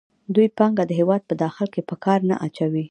دوی پانګه د هېواد په داخل کې په کار نه اچوي